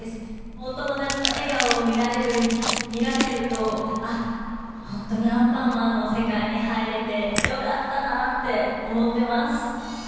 お友達の笑顔を見られると、あっ、本当にアンパンマンの世界に入れてよかったなって思ってます。